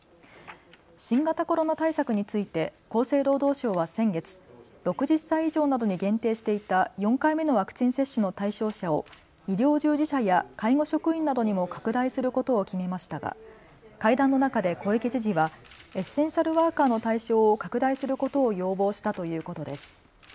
新型コロナについて厚生労働省は先月、６０歳以上などに限定していた４回目のワクチン接種の対象者を医療従事者や介護職員などにも拡大することを決めましたが会談の中で小池知事はエッセンシャルワーカーの対象を拡大することを要望したということです。